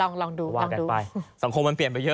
ลองดูว่ากันไปสังคมมันเปลี่ยนไปเยอะ